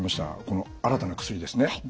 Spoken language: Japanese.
この新たな薬ですね